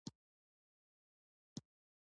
تر پکول لاندې د انسان سوټه پرته ده.